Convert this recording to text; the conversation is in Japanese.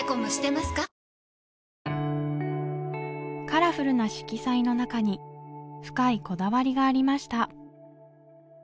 カラフルな色彩の中に深いこだわりがありました